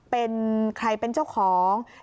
เป็นใครเป็นเจ้าของ